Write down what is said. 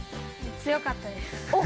強かったです。